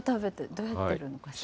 どうやってるのかしら。